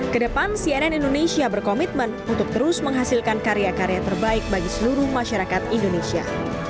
kedepan cnn indonesia berkomitmen untuk terus menghasilkan karya karya terbaik bagi seluruh masyarakat indonesia